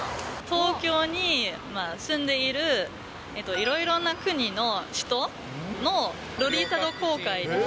東京に住んでいるいろいろな国の人のロリータ同好会。